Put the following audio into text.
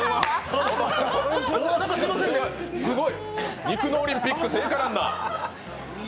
すごい、肉のオリンピック聖火ランナー。